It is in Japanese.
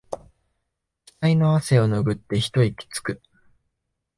ひたいの汗をぬぐって一息つく